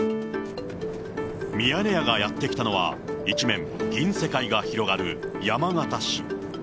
ミヤネ屋がやって来たのは、一面銀世界が広がる山形市。